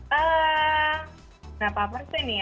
berapa persen ya